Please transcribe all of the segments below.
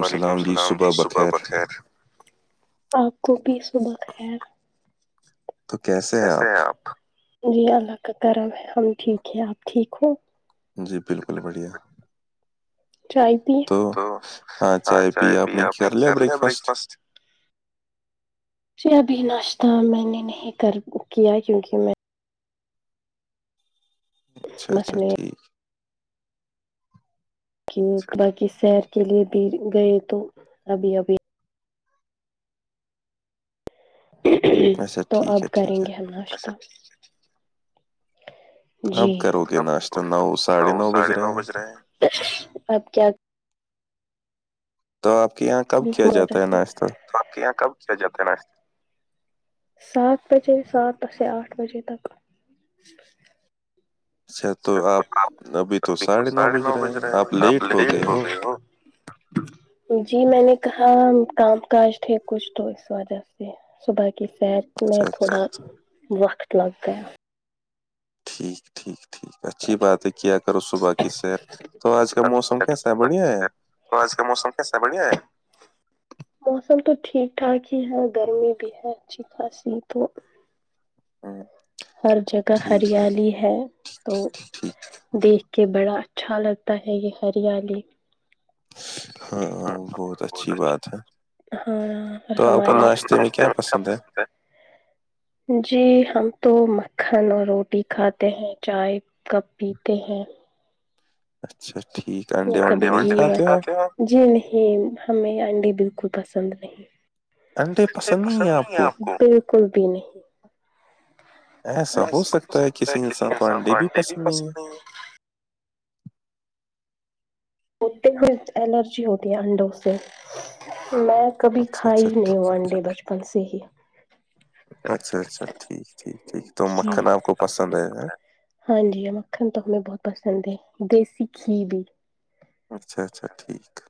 وعلیکم السلام جی صبح بخیر آپ کو بھی صبح بخیر کیسے ہیں آپ جی اللہ کا کرم ہے ہم ٹھیک ہیں اپ ٹھیک ہو جی بالکل بڑھیا چائے پی تو ہاں چائے پی آپ نے کر لیا بریکفاسٹ جی ابھی ناشتہ میں نے نہیں کر کیا کیونکہ میں اچھا اچھا ٹھیک ہے باقی سر کے لئے بھی گئے تو ابھی ابھی تو اب کریں گے اللہشہ جی اپ نو ساڑھے نو بج رہے ہیں آپ کیا تو آپ کے یہاں کب کیا جاتا ہے ناشتہ تو آپ کے یہاں کب چل جاتے ہیں نا سات بجے سات سے آٹھ بجے تک اچھا تو آپ اب تو ساڑھے نو بج رہے ہیں آپ لیٹ ہو گئے ہو جی میں نے کہا کام کاج تھے کچھ تو اس وجہ سے صبح کی سحیر میں تھوڑا وقت لگ گیا ٹھیک [unintelligible] ٹھیک ٹھیک اچھی بات ہے کیا کرو صبح کی سیر تو آج کا موسم کیسا ہے بڑھیا ہے تو آج کا موسم کیسا بڑھیا ہے موسم تو ٹھیک ٹھاک ہی ہے گرمی بھی ہے اچھی خاصی تو ہر جگہ ہریالی ہے تو دیکھ کے بڑا اچھا لگتا ہے یہ ہریالی ہاں بہت اچھی بات ہے ہاں ہمارے یہ پسند ہے [unintelligible] جی ہم تو مکھن اور روٹی کھاتے ہیں چائے کب پیتے ہیں [unintelligible] جی نہیں ہمیں انڈی بالکل پسند نہیں پسند نہیں آپ بالکل بھی نہیں ایسا ہو سکتا ہے کسی نے س کو آٹی بھی پسند نہیں اتے ہ ایلرجی ہوتی ہے انڈو سےے میں کبھی کھا ہی نہیں ہوا انڈے بچپن سے ہی اچھا اچھا ٹھیک ٹھیک ٹھیک تو مکھان آپ کو پسند ہے ہاں جی یہ مکھن تو ہم ہمیں بہت پسند ہے دیسی کھی بھی اچھا اچھا ٹھیک ہے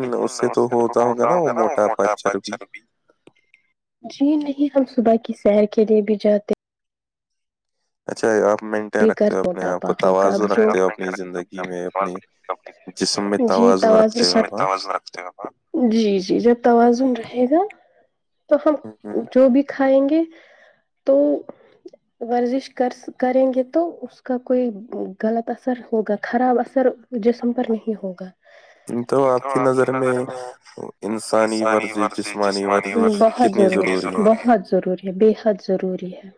لیکن اس سے تو ہوتا ہوگ نا وہ موٹا بچچا بھی جی نہیں ہم صبح کی سر کے لیے بھی جاتے اچھا آپ [unintelligible] کر توٹاپا ہوگا جی توازنن رکھتے ہو جی جی جب توازن رہے گا تو ہم جو بھی کھائیں گے تو ورزش کر کریں گے تو اس کا کوئی غلط اثر ہوگا خراب اثر جسم پر نہیں ہوگا تو آپ کی نظر میں انسانی ورزی جسمانی ورزی بہت ضروری بہت ضروری ہے بےحد ضروری ہے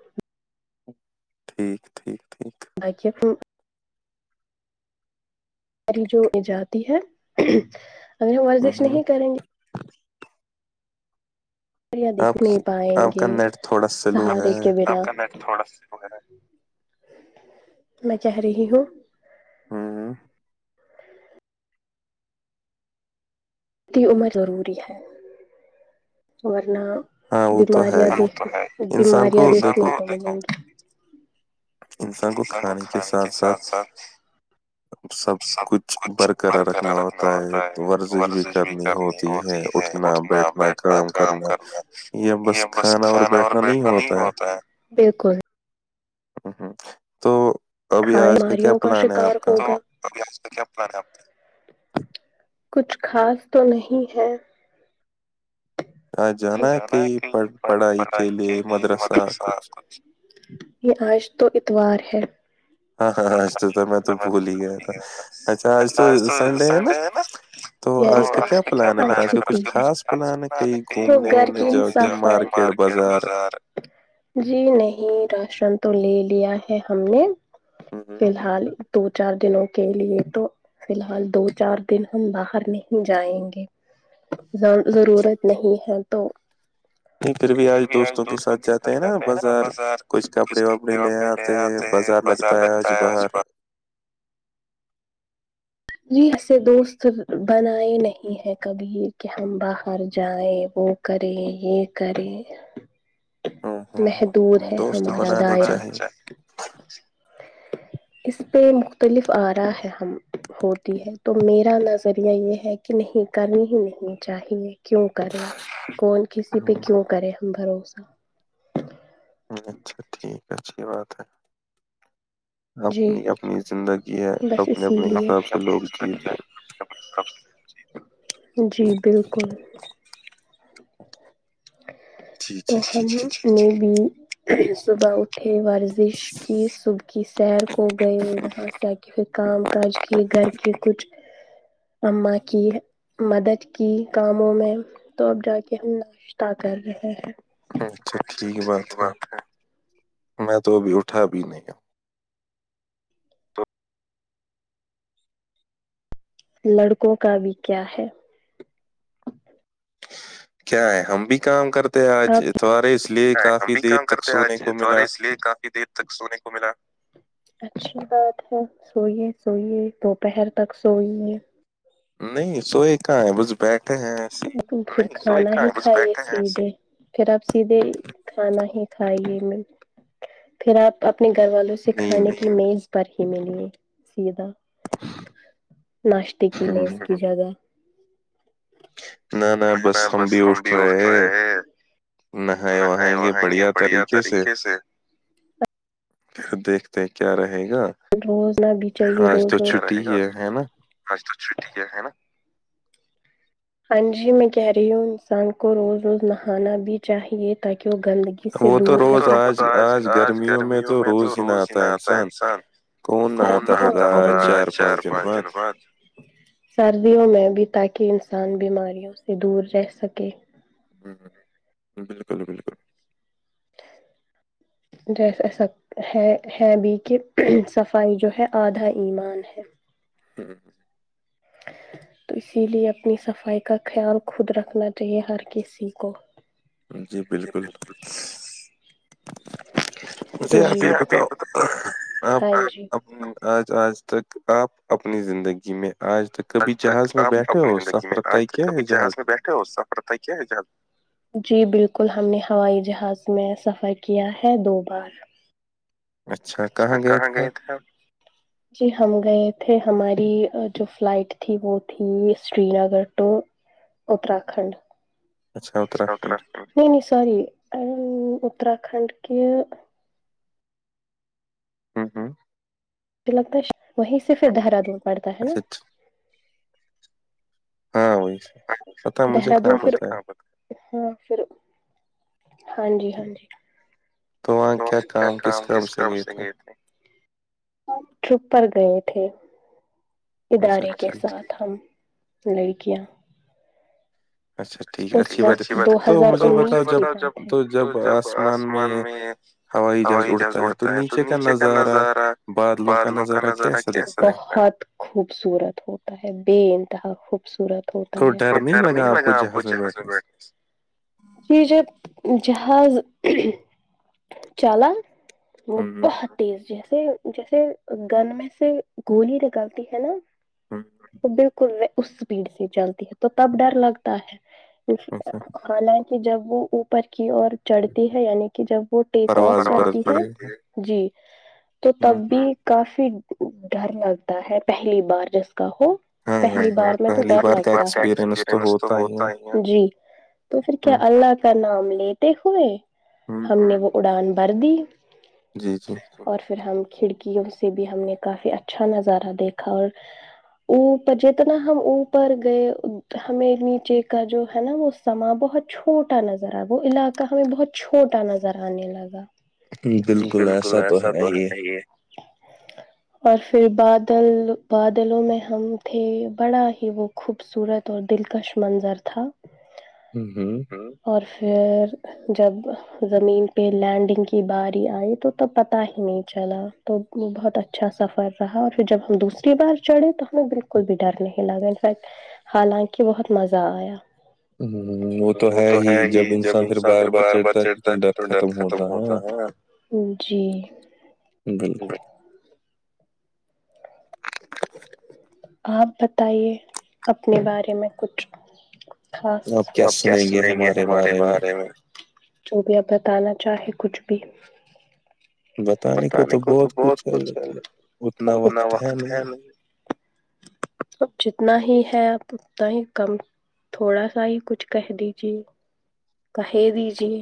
ٹھیک ٹھیک ٹھیک بھے ک [unintelligible] جو ای جی ہے اگر ہم ورزش نہیں کریں گے سیاں دکھ نہیں پائیں گے سہارے کے بنا تھڑا میں چاہ رہی ہوں ہوں ہ [unintelligible] تی عمر ضروری ہے ورنہ [unintelligible] بیماریا د بیماریاں د انسان کو کھانے کے ساتھ ساتھ سب کچھ برقرار رکھنا ہوتا ہے ورزش بھی کرنی ہوتی ہے اٹھنا بیٹھ اپنا کام کرنا یہ بس کھانا اور بیٹھنا نہیں ہوتا ہے بالکل ہ ہوں تو کھائے بیماریوں کا شکار ہوگا [inaudible] کچھ خاص تو نہیں ہے [unintelligible] جانا ہے کہیں پڑ پڑھائی کے لیے مدرسہ کچھ یہ آج تو اتوار ہے اچھا آج تو سنڈے ہے نا [inaudible] ی تو گھر کی صاف [unintelligible] [inaudible] مارکیٹ بازار جی نہیں راشن تو لے لیا ہے ہم نے فی الحال دو چار دنوں کے لیے تو فی الحال دو چار دن ہم باہر نہیں جائیں گے ضرورت نہیں ہے تو تو پھر بھی آج دوستوں کے ساتھ جاتے ہیں نا بازار کچھ کاب میں لے آتے ہیں بازار لگتا ہے آج ب جی ایسے دوست بنائے نہیں ہے کبھی کہ ہم باہر جائ وہ کرے یہ کرے محدود ہے ہمارا دایا اس پہ مختلف آ رہا ہے ہم ہوتی ہے تو میرا نظریہ یہ ہے کہ نہیں کرنی ہی نہیں چاہیے کیوں کرے کون کسی پہ کیوں کرے ہم بھروسہ اچھا ٹھیک اچھی بات ہے اپنی اپنی زندگی ہے اپنے اپنے حساب سے لوگ جیتے جی بالکل تو ہم نے بھی صبح اٹھے ورزش کی صبح کی سیر کو گئے وہاں تاک پھر کام کاج کیے گھر کی کچھ اما کی مدد کی کاموں میں تو اب جا کے ہم ناشتہ کر رہے ہیں اچھا ٹھیک بات ہے میں تو ابھی اٹھا ابھی نہیں ہ لڑکوں کا بھی کیا ہے کیا ہے ہم بھی کام کرتے ہیں آج اتوارے اس لیے کافی دیر تک سونے کو ملا کافی دیر [unintelligible] [inaudible] تک سونے کو ملا [inaudible] اچھی بات ہے سوئیے سوئیے دوپہر تک سوئیے نہیں سوئے کہاں ہے بس بیٹھے ہیں ایسے ایک پڑکانا ہی چاہے س مے [unintelligible] پھر آپ سیدھے کھانا ہی کھائیے میں پھر آپ اپنے گھر والوں سے کھانے کی میز پر ہی ملیے سیدھا ناشتے کی میںز کی جگہ نہ نہ بس ہم بھی اٹھ رہے ہیں نہ ہایے وہیں گے بڑھیا طریقے سے پھر دیکھتے کیا رہے گا روز نہ بیچاہے رو گا [unintelligible] آج تو چو ٹیک ہے ہےا [inaudible] ہاں جی میں کہہ رہی ہوں انسان کو روز روز نہانا بھی چاہیے تاکہ وہ گندگی سے دور تو ر آج آج گرمیوں میں تو روز ہی نہ آتا انسان کون آ تھا ہوا چار پانچ جن بعد سردیوں میں بھی تاکہ انسان بیماریوں سے دور رہ سکے ہوں بالکل بالکل ڈس ایسب [unintelligible] ہے ہے بھی کہ صفائی جو ہے آدھا ایمان ہے ہ [unintelligible] اچ [inaudible] [unintelligible] تو اسی لیے اپنی صفائی کا خیال خود رکھنا چاہیے ہر کسی کو چش [unintelligible] [inaudible] مجھے آپ یہ بتاؤ آپ آج آج تک آپ اپنی زندگی میں آج تک کبھی جہاز میں بیٹھے ہو سفر طے کیا ہے جہاز سفر طے کیا ہے جہاز میں جی بالکل ہم نے ہوائی جہاز میں سفر کیا ہے دو بار اچھا کہاں گئے تھے آپ جی ہم گئے تھے ہماری جو فلائٹ تھی وہ تھی سری نگر ٹو اتراکھنڈ نہیں نہیں ساری اترھنڈ کے لگتا ہے وہیں سے پھر دہرادور پڑتا ہے نا ہاں وہی سے دہرادن پھر ہاں پھر ہاں جی ہاں جی تو کیا کام کس کرب سے گئے تھے؟ ٹرپ پر گئے تھے ادارے کے ساتھ کام لڑکیاں اچ بات تو مجھے بتاؤ جب تو جب آسمان میں ہوائی جہاز اڑتا ہے تو نیچے کا نظارہ بادلوں کا نظارہ کیسا خوبصورت ہوتا ہے بے انتہا خوبصورت ہوتا ہے گرمی لگا جی جب جہاز چل [unintelligible] [inaudible] وہ بہت تیز جیسے جیسے گن میں سے گولی نکالتی ہے نا تو بالکل میں اس اسپیڈ سے چلتی ہے تو تب ڈر لگتا ہے حالانکہ جب وہ اوپر کی اور چڑھتی ہے یعنی کہ جب وہ ٹیک آف کرتی ہے جی تو تب بھی کافی ڈر لگتا ہے پہلی بار جس کا ہو پہلی بار میں تو ڈر لگتا جی تو پھر کیا اللہ کا نام لیتے ہوئے ہم نے وہ اڑان بھر دی جی جی اور پھر ہم کھڑکیوں سے بھی ہم نے کافی اچھا نظارہ دیکھا اور اوپر جتنا ہم اوپر گئے ہمیں نیچے کا جو ہے نا وہ سماں بہت چھوٹا نظر آ وہ علاقہ ہمیں بہت چھوٹا نظر آنے لگا بالکل ایسا تو ہے ہی ہے اور پھر بادل بادلوں میں ہم تھے بڑا ہی وہ خوبصورت اور دلکش منظر تھا اور پھر جب زمین پہ لینڈنگ کی باری آئی تو توب پتا ہی نہیں چلا تو وہ بہت اچھا سفر رہا اور پھر جب ہم دوسری بار چڑھے تو ہمیں بالکل بھی ڈر نہیں لگا انفیکٹ حالانکہ بہت مزہ آیا وہ تو ہے ہی جب انسان پھر بار بار چڑھتا ہے تو ڈرد ختم ہوتا ہے جی بالکل آپ بتائیے اپنے بارے میں کچھ آپ کیا سنیں گے ہمارے بارے میں جو بھی آپ بتانا چاہے کچھ بھی بت نہیںے کو تو بہت کچھ چتنا وقت ج اب جتنا ہی ہے ا اتنا ہی کم تھوڑا سا ہی کچھ کہہ دیجے کہے دیجے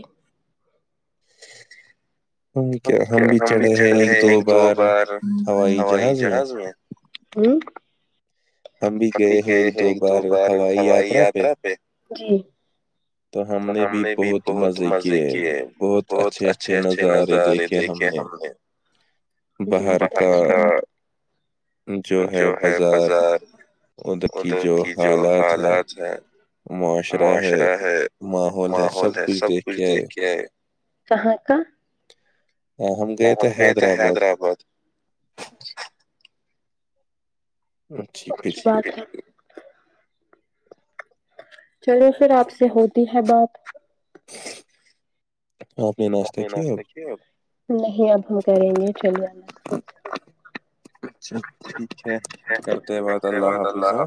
کیا ہم بھی چڑھے ہیں ایک دو بار ہوائی جہاز میں ہوں ہم بھی گئے ہیں ایک دو بار ہوائی یاترا پہ تو ہم نے بھی بہت مزے کیے بہت اچھے اچھے نظارے دیکھے ہم نے ج ب کا جو ہے بازار ادھر کی جو حالات ہیں معاشرہ ہے ماحول ہے سب کچھ دیکھ کے آئے کہاں کا ہم گئے تھے حیدرآباد ا جی بالکل چلو پھر آپ سے ہوتی ہے بات نہیں اب ہم کریں گے چل جانا اچھا ٹھیک ہے کرتے بعد اللہ حافظ ہاں